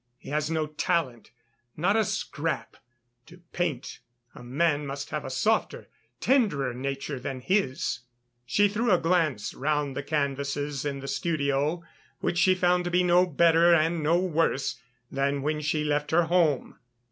He has no talent, not a scrap. To paint, a man must have a softer, tenderer nature than his." She threw a glance round the canvases in the studio, which she found to be no better and no worse than when she left her home.